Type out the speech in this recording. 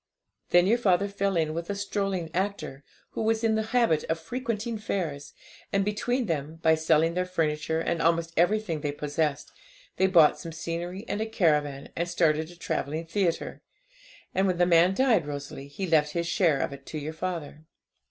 'Then your father fell in with a strolling actor, who was in the habit of frequenting fairs, and between them, by selling their furniture, and almost everything they possessed, they bought some scenery and a caravan, and started a travelling theatre. And when the man died, Rosalie, he left his share of it to your father.